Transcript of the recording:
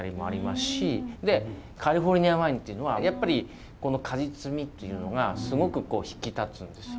でカリフォルニア・ワインっていうのはやっぱりこの果実味っていうのがすごくこう引き立つんですよ。